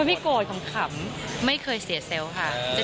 มันมีโกรธของขำไม่เคยเสียแซลค่ะ